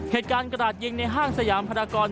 เหตุการณ์กระดาษยิงในห้างสยามพันธกร